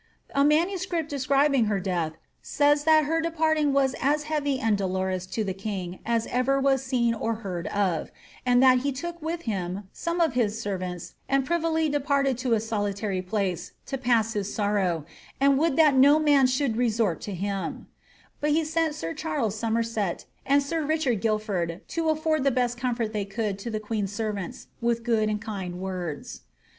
A n»nuscript,' describing her death, says that her ^ departing was as heavy and dolorous to the king as ever was seen or heard of," and that he took with him ^ some of his servants, and privily departed to a soli tary place to pass his sorrow, and would that no man should resort to lum," but he ^ sent sir Charles Somerset and sir Richard Guilford to afford the best comfort they could to the queen's servants with good and kind words."